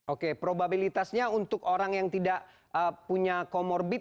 oke probabilitasnya untuk orang yang tidak punya comorbid